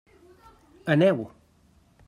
Aneu!